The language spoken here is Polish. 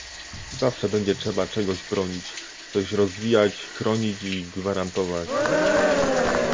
zawsze będzie trzeba czegoś bronić, coś rozwijać, chronić i gwarantować